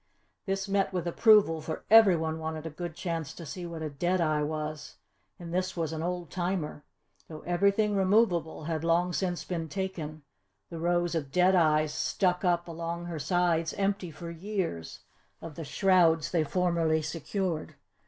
This met with approval for every one wanted a good chance to see what a "dead eye" was and this was an old timer; though everything removable had long since been taken, the rows of "dead eyes" stuck up along her sides empty for years of the shrouds they formerly secured.